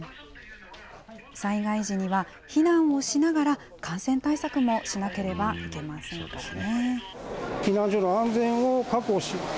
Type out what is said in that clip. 災害時には、避難をしながら、感染対策もしなければいけませんからね。